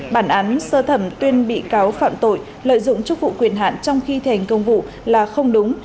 bản án sơ thẩm tuyên bị cáo phạm tội lợi dụng chức vụ quyền hạn trong khi thành công vụ là không đúng